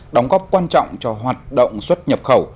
đóng góp quan trọng cho hoạt động xuất nhập khẩu